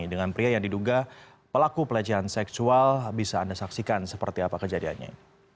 dengan pria yang diduga pelaku pelecehan seksual bisa anda saksikan seperti apa kejadiannya